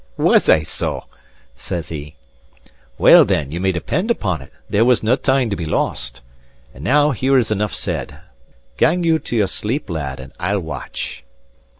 "Was I so?" said he. "Well, then, ye may depend upon it, there was nae time to be lost. And now here is enough said; gang you to your sleep, lad, and I'll watch."